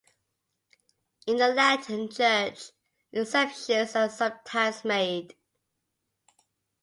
In the Latin Church exceptions are sometimes made.